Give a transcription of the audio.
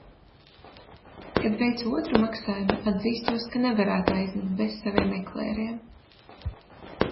Kad veicu otru maksājumu, atzīstos, ka nevarētu aizmigt bez saviem eklēriem.